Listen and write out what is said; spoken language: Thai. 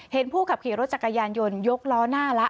ผู้ขับขี่รถจักรยานยนต์ยกล้อหน้าแล้ว